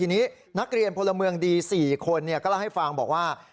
๔คนนะฮะแล้วก็ลองให้ฟังบอกว่า